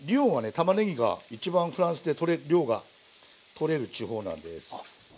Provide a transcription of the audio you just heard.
たまねぎが一番フランスで量が取れる地方なんです。